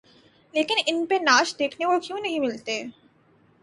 لیکن ان پہ ناچ دیکھنے کو کیوں نہیں ملتے؟